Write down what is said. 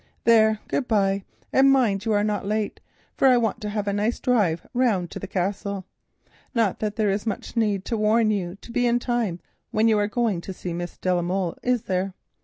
There, good bye, and mind you are not late, for I want to have a nice drive round to the Castle. Not that there is much need to warn you to be in time when you are going to see Miss de la Molle, is there?